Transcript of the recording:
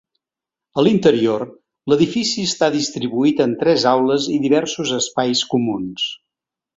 A l'interior, l'edifici està distribuït en tres aules i diversos espais comuns.